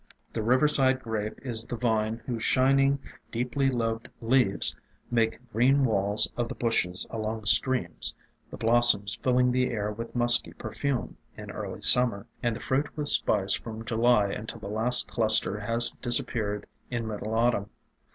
The Riverside Grape is the vine whose shining, deeply lobed leaves make green walls of the bushes along streams, the blossoms filling the air with musky perfume in early Summer, and the fruit with spice from July until the last cluster has disap peared in middle Autumn.